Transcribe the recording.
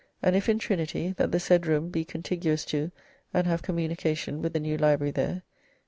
And if in Trinity, that the said roome be contiguous to, and have communication with, the new library there.